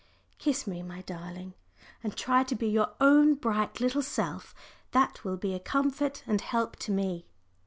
Kiss me, my darling, and try to be your own bright little self. That will be a comfort and help to me."